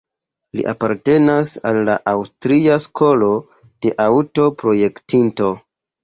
Li apartenas al la Aŭstria skolo de aŭto-projektintoj.